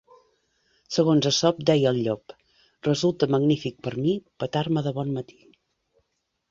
Segons Esop, deia el llop: "Resulta magnífic per mi, petar-me de bon matí."